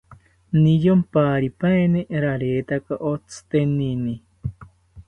Niyomparipaeni raretaka otzitenini